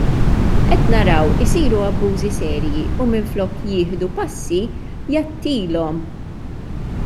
Qed naraw isiru abbużi serji u minflok jieħu passi, jgħattilhom.